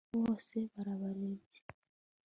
bose bararebye